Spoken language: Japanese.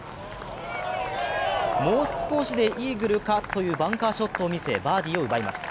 もう少しでイーグルかというバンカーショットを見せ、バーディーを奪います。